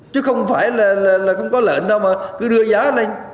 chứ không phải là không có lợn nào mà cứ đưa giá lên